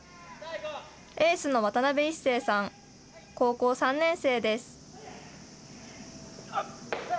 エースの渡邉一生さん、高校３年生です。